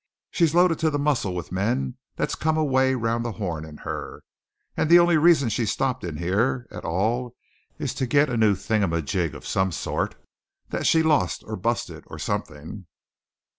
She's loaded to the muzzle with men that's come away around the Horn in her; and the only reason she stopped in here at all is to get a new thing um a jig of some sort that she had lost or busted or something."